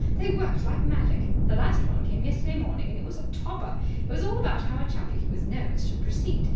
They worked like magic. The last one came yesterday morning, and it was a topper! It was all about how a chappie who was nervous should proceed.